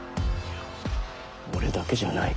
俺だけじゃない。